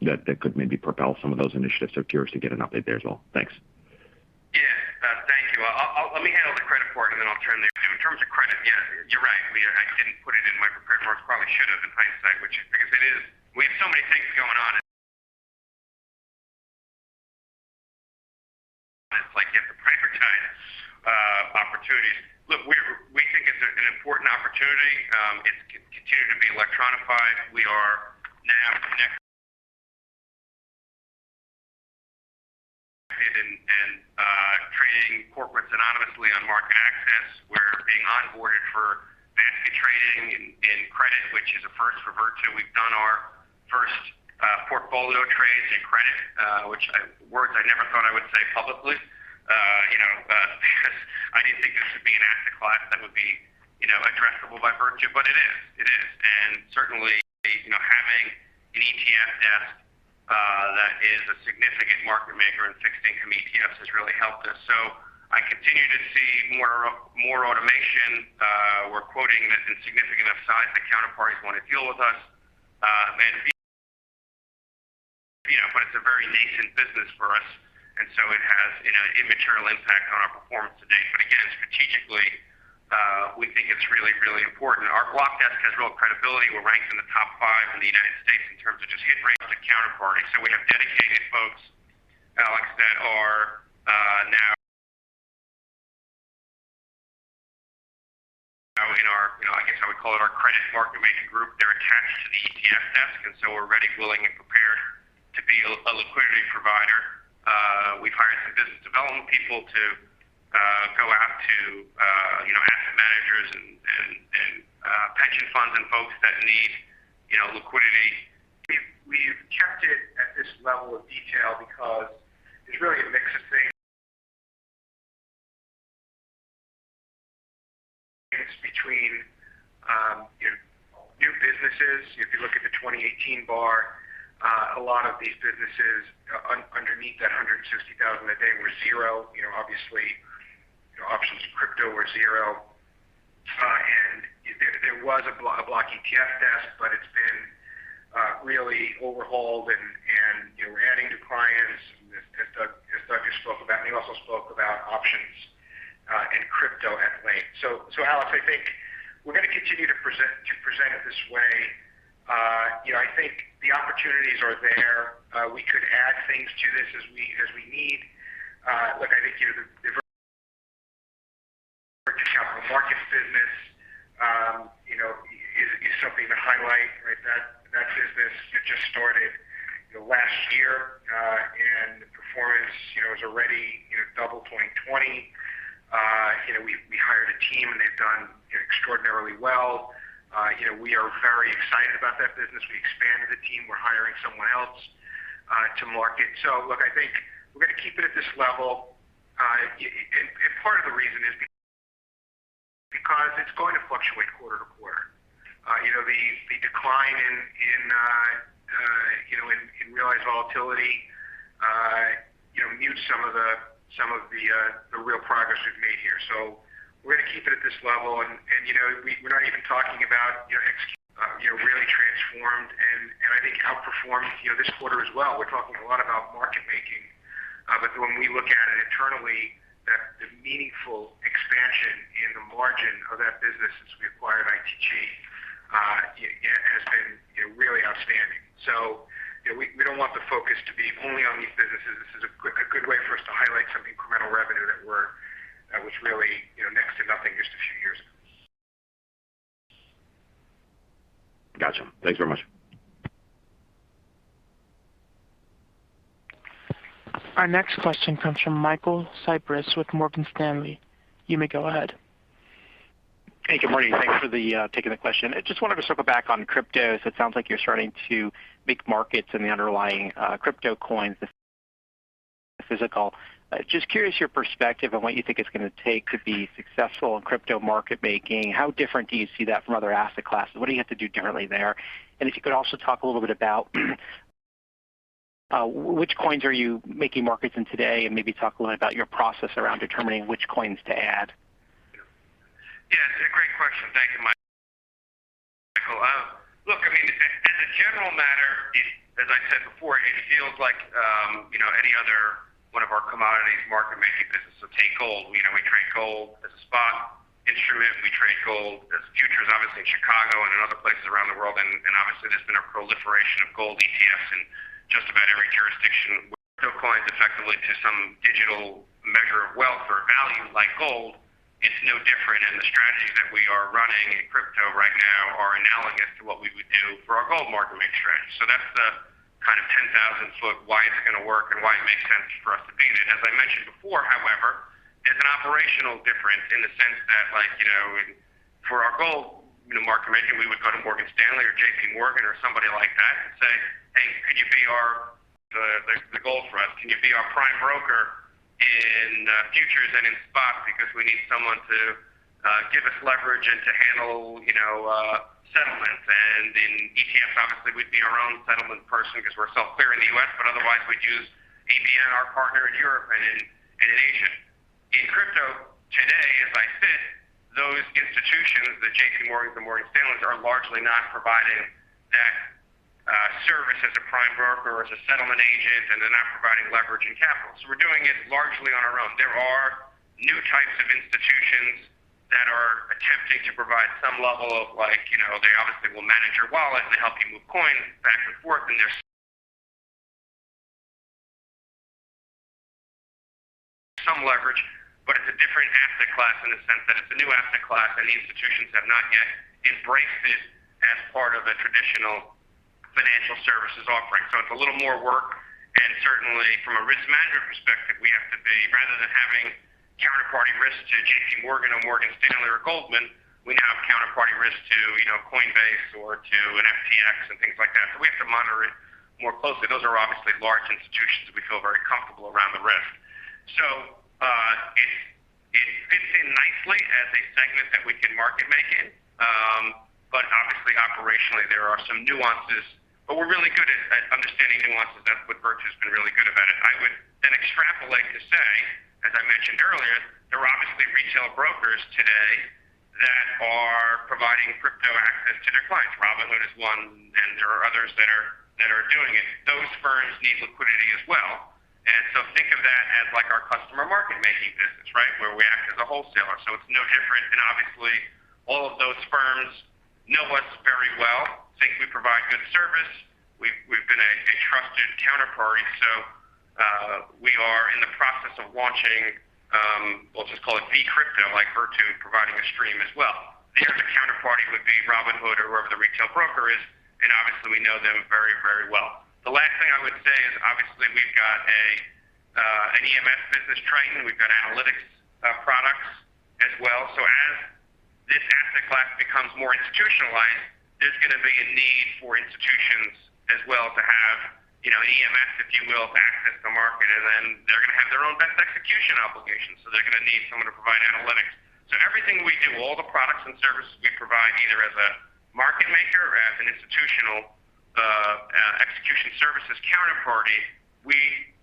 that could maybe propel some of those initiatives. Curious to get an update there as well. Thanks. I didn't put it in my prepared remarks. Probably should have in hindsight, because it is. We have so many things going on. It's like you have to pray for time, opportunities. Look, we think it's an important opportunity. It's continued to be electronified. We are now connected and trading corporates anonymously on MarketAxess. We're being onboarded for venue trading in credit, which is a first for Virtu. We've done our first portfolio trades in credit, which words I never thought I would say publicly, you know, because I didn't think this would be an asset class that would be, you know, addressable by Virtu. But it is. And certainly, you know, having an ETF desk that is a significant market maker in fixed income ETFs has really helped us. I continue to see more automation. We're quoting this in significant enough size that counterparties want to deal with us. You know, but it's a very nascent business for us, and so it has, you know, an immaterial impact on our performance to date. Again, strategically, we think it's really important. Our block desk has real credibility. We're ranked in the top five in the United States in terms of just hit rates of counterparties. We have dedicated folks, Alex, that are now in our, I guess how we call it, our credit market making group. They're attached to the ETF desk, and so we're ready, willing, and prepared to be a liquidity provider. We've hired some business development people to go out to you know, asset managers and pension funds and folks that need you know, liquidity. We've kept it at this level of detail because there's really a mix of things. It's between you know, new businesses. If you look at the 2018 bar, a lot of these businesses underneath that 160,000 a day were zero. You know, obviously, you know, options crypto were zero. There was a block ETF desk, but it's been really overhauled and you know, we're adding new clients as Doug just spoke about. He also spoke about options in crypto at length. Alex, I think we're gonna continue to present it this way. You know, I think the opportunities are there. We could add things to this as we need. Look, I think you know, the Virtu Capital Markets business is something to highlight, right? That business that just started last year and the performance is already double 20. You know, we hired a team, and they've done extraordinarily well. You know, we are very excited about that business. We expanded the team. We're hiring someone else to market. Look, I think we're gonna keep it at this level. Part of the reason is because it's going to fluctuate quarter to quarter. You know, the decline in realized volatility mutes some of the real progress we've made here. We're gonna keep it at this level and, you know, we're not even talking about really transformed and I think outperformed this quarter as well. We're talking a lot about market making. When we look at it internally, the meaningful expansion in the margin of that business since we acquired ITG has been really outstanding. You know, we don't want the focus to be only on these businesses. This is a good way for us to highlight some incremental revenue that was really next to nothing just a few years ago. Gotcha. Thanks very much. Our next question comes from Michael Cyprys with Morgan Stanley. You may go ahead. Hey, good morning. Thanks for taking the question. I just wanted to circle back on crypto. It sounds like you're starting to make markets in the underlying crypto coins, the physical. Just curious about your perspective on what you think it's gonna take to be successful in crypto market making. How different do you see that from other asset classes? What do you have to do differently there? And if you could also talk a little bit about which coins are you making markets in today? And maybe talk a little bit about your process around determining which coins to add. Yeah, it's a great question. Thank you, Michael. Look, I mean, as a general matter, as I said before, it feels like, you know, any other one of our commodities market making business. So take gold. You know, we trade gold as a spot instrument. We trade gold as futures, obviously in Chicago and in other places around the world. And obviously there's been a proliferation of gold ETFs in just about every jurisdiction. Crypto coins effectively to some digital measure of wealth or value like gold. It's no different. And the strategies that we are running in crypto right now are analogous to what we would do for our gold market make strategy. So that's the kind of 10,000 ft why it's gonna work and why it makes sense for us to be in it. As I mentioned before, however, it's an operational difference in the sense that, like, you know, for our gold market making, we would go to Morgan Stanley or JPMorgan or somebody like that and say, "Hey, could you be our—the gold for us? Can you be our prime broker in futures and in spots because we need someone to give us leverage and to handle, you know, settlements." In ETFs, obviously we'd be our own settlement person because we're self-clear in the U.S., but otherwise we'd use ABN, our partner in Europe and in Asia. In crypto today, as it sits, those institutions, the JPMorgans, the Morgan Stanleys, are largely not providing that service as a prime broker or as a settlement agent. Doing it largely on our own. There are new types of institutions that are attempting to provide some level of like, you know, they obviously will manage your wallet, they help you move coins back and forth, and there's some leverage, but it's a different asset class in the sense that it's a new asset class, and the institutions have not yet embraced it as part of a traditional financial services offering. It's a little more work. Certainly from a risk management perspective, we have to be rather than having counterparty risk to JPMorgan or Morgan Stanley or Goldman, we now have counterparty risk to, you know, Coinbase or to an FTX and things like that. We have to monitor it more closely. Those are obviously large institutions. We feel very comfortable around the risk. It fits in nicely as a segment that we can market make in. Obviously operationally there are some nuances, we're really good at understanding nuances. That's what Virtu's been really good about it. I would then extrapolate to say, as I mentioned earlier, there are obviously retail brokers today that are providing crypto access to their clients. Robinhood is one, and there are others that are doing it. Those firms need liquidity as well. Think of that as like our customer market making business, right? Where we act as a wholesaler. It's no different. Obviously all of those firms know us very well, think we provide good service. We've been a trusted counterparty. We are in the process of launching, we'll just call it V Crypto, like Virtu providing a stream as well. There, the counterparty would be Robinhood or whoever the retail broker is, and obviously we know them very, very well. The last thing I would say is obviously we've got an EMS business trading. We've got analytics products as well. So as this asset class becomes more institutionalized, there's gonna be a need for institutions as well to have, you know, an EMS, if you will, to access the market, and then they're gonna have their own best execution obligations. So they're gonna need someone to provide analytics. So everything we do, all the products and services we provide, either as a market maker or as an institutional execution services counterparty, we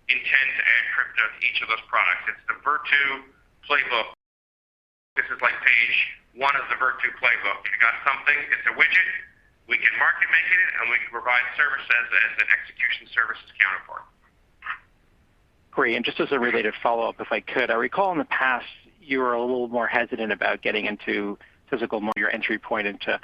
intend to add crypto to each of those products. It's the Virtu playbook. This is like page one of the Virtu playbook. You got something, it's a widget, we can market make it, and we can provide services as an execution services counterpart. Great. Just as a related follow-up, if I could. I recall in the past you were a little more hesitant about getting into physical, more your entry point into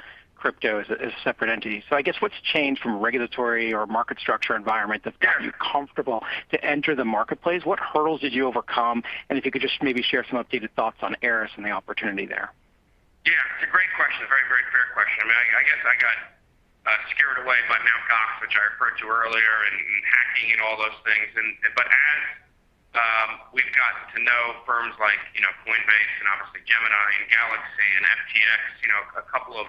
crypto as a, as a separate entity. I guess what's changed from a regulatory or market structure environment that's got you comfortable to enter the marketplace? What hurdles did you overcome? If you could just maybe share some updated thoughts on ErisX and the opportunity there. Yeah, it's a great question. Very, very fair question. I mean, I guess I got scared away by Mt. Gox, which I referred to earlier, and hacking and all those things. As we've gotten to know firms like, you know, Coinbase and obviously Gemini and Galaxy and FTX, you know, a couple of,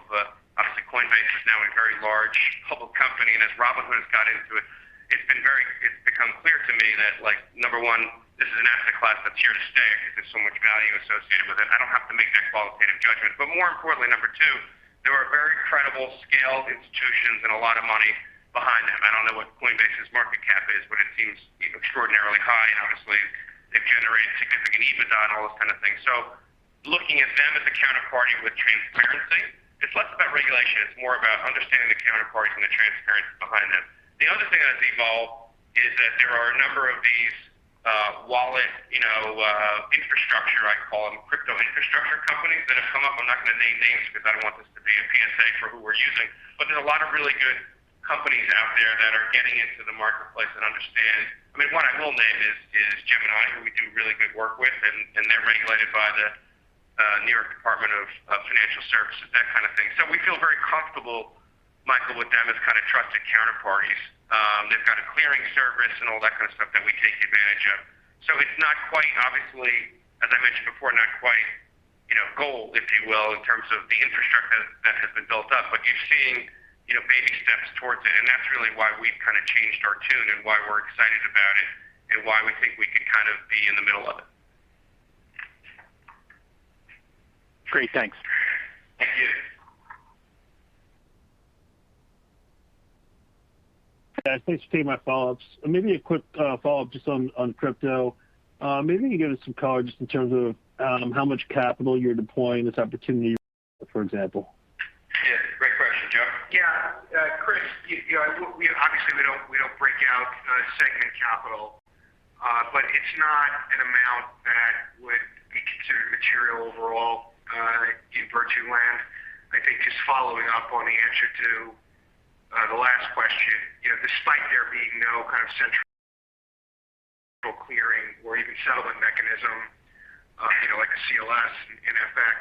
obviously Coinbase is now a very large public company, and as Robinhood has got into it's been very. It's become clear to me that, like, number one, this is an asset class that's here to stay because there's so much value associated with it. I don't have to make that qualitative judgment. More importantly, number two, there are very credible scaled institutions and a lot of money behind them. I don't know what Coinbase's market cap is, but it seems extraordinarily high, and obviously they've generated significant EBITDA and all those kind of things. Looking at them as a counterparty with transparency, it's less about regulation. It's more about understanding the counterparties and the transparency behind them. The other thing that's evolved is that there are a number of these wallet, you know, infrastructure, I call them crypto infrastructure companies that have come up. I'm not gonna name names because I don't want this to be a PSA for who we're using. But there's a lot of really good companies out there that are getting into the marketplace and understand. I mean, one I will name is Gemini, who we do really good work with, and they're regulated by the New York State Department of Financial Services, that kind of thing. We feel very comfortable, Michael, with them as kind of trusted counterparties. They've got a clearing service and all that kind of stuff that we take advantage of. It's not quite obviously, as I mentioned before, not quite, you know, gold, if you will, in terms of the infrastructure that has been built up. You're seeing, you know, baby steps towards it, and that's really why we've kind of changed our tune and why we're excited about it and why we think we could kind of be in the middle of it. Great. Thanks. Thank you. Yeah. Thanks for taking my follow-ups. Maybe a quick follow-up just on crypto. Maybe you can give us some color just in terms of how much capital you're deploying this opportunity, for example. Yeah, great question, Joe. Yeah, Chris, you know, we obviously don't break out segment capital, but it's not an amount that would be considered material overall in Virtu land. I think just following up on the answer to the last question, you know, despite there being no kind of central clearing or even settlement mechanism, you know, like a CLS in FX,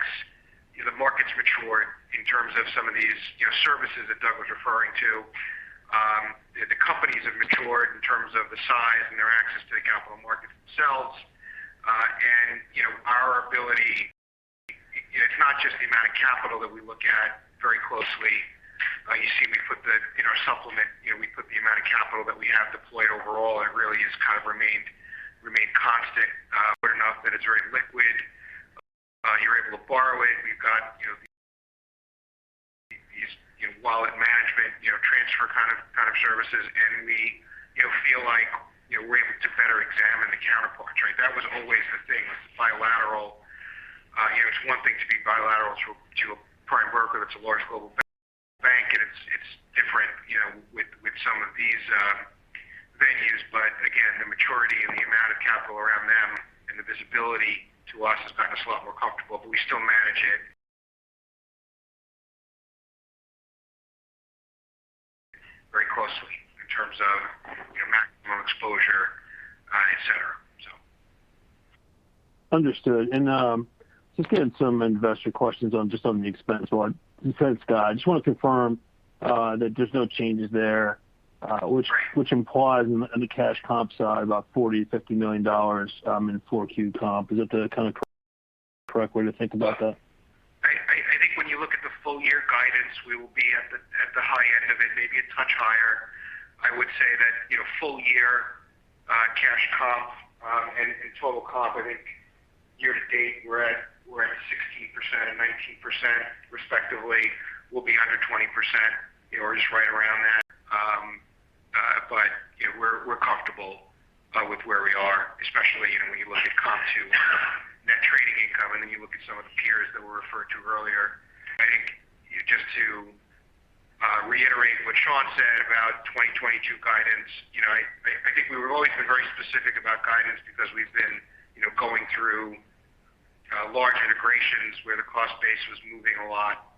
you know, the market's matured in terms of some of these, you know, services that Doug was referring to. The companies have matured in terms of the size and their access to the capital markets themselves. You know, our ability, it's not just the amount of capital that we look at very closely. You'll see we put it in our supplement, you know, we put the amount of capital that we have deployed overall. It really has kind of remained constant, but enough that it's very liquid. You're able to borrow it. We've got, you know, these, you know, wallet management, you know, transfer kind of services. We, you know, feel like, you know, we're able to better examine the counterparties, right? That was always the thing with bilateral It's a large global bank, and it's different, you know, with some of these venues. But again, the maturity and the amount of capital around them and the visibility to us has got us a lot more comfortable. But we still manage it very closely in terms of maximum exposure, etc. So. Understood. Just getting some investor questions on just on the expense line. You said, Sean, I just want to confirm that there's no changes there, which implies on the cash comp side about $40 million-$50 million in 4Q comp. Is that the kind of correct way to think about that? I think when you look at the full year guidance, we will be at the high end of it, maybe a touch higher. I would say that, you know, full year, cash comp and total comp, I think year to date, we're at 16% and 19% respectively. We'll be under 20% or just right around that. But we're comfortable with where we are, especially, you know, when you look at comp to net trading income, and then you look at some of the peers that were referred to earlier. I think just to reiterate what Sean said about 2022 guidance. You know, I think we've always been very specific about guidance because we've been, you know, going through large integrations where the cost base was moving a lot.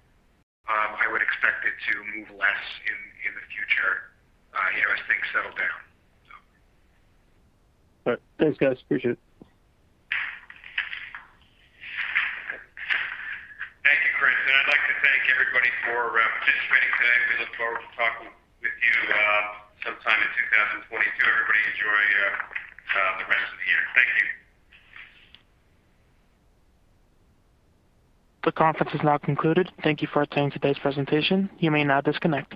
I would expect it to move less in the future, you know, as things settle down. All right. Thanks, guys. Appreciate it. Thank you, Chris. I'd like to thank everybody for participating today. We look forward to talking with you sometime in 2022. Everybody enjoy the rest of the year. Thank you. The conference is now concluded. Thank you for attending today's presentation. You may now disconnect.